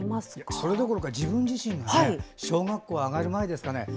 それどころか自分自身が小学校に上がる前ですかね